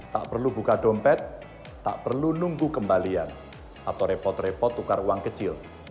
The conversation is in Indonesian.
tak perlu buka dompet tak perlu nunggu kembalian atau repot repot tukar uang kecil